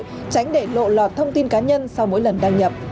tránh để lộ lọt thông tin cá nhân sau mỗi lần đăng nhập